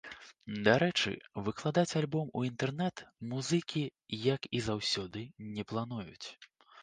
Дарэчы, выкладаць альбом у інтэрнэт музыкі, як і заўсёды не плануюць.